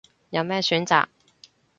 有咩選擇